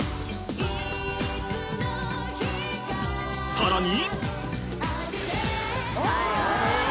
［さらに］